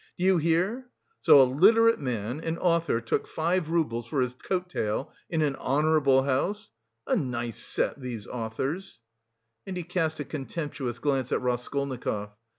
Do you hear? So a literary man, an author took five roubles for his coat tail in an 'honourable house'? A nice set, these authors!" And he cast a contemptuous glance at Raskolnikov.